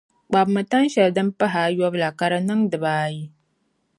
kpabimi tan’ shɛli din pah’ ayɔbu la ka di niŋ dib’ ayi.